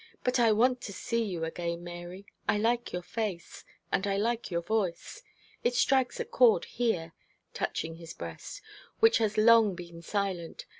'But I want to see you again, Mary I like your face and I like your voice. It strikes a chord here,' touching his breast, 'which has long been silent.